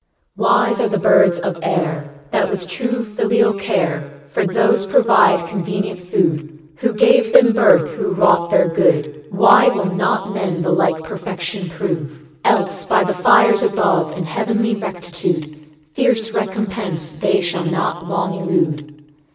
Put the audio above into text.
Wise are the birds of air I 1 That with true filial care For those provide convenient food Who gave them birth, who wrought their good. Why will not men the like perfection prove? Else, by the fires above, And heavenly Rectitude, Fierce recompense they shall not long elude.